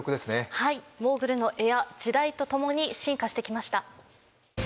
はいモーグルのエア時代とともに進化してきました